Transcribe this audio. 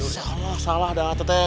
salah salah dah teteh